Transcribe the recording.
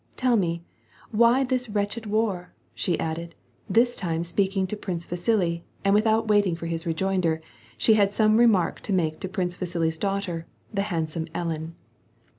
— Tell me, why this wretched war ?" she added, this time speaking to Prince Vasili, and without waiting for his rejoinder, she had some remark to make to Prince Vasili's daughter, the handsome Ellen.